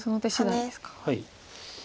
はい。